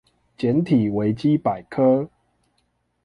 檢體維基百科